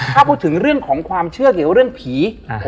ถ้าพูดถึงเรื่องของความเชื่อเกี่ยวกับเรื่องผี